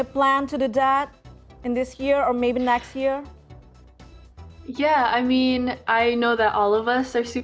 ya maksud saya saya tahu semua orang sangat teruja untuk datang ke indonesia